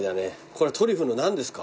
これトリュフの何ですか？